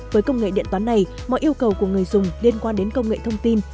với công nghệ điện toán này mọi yêu cầu của người dùng liên quan đến công nghệ thông tin